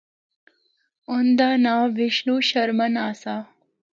اُن دا ناں وشنو شرمن آسا۔